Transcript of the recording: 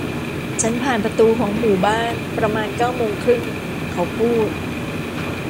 ฉันผ่านประตูของหมู่บ้านประมาณเก้าโมงครึ่ง เขาพูด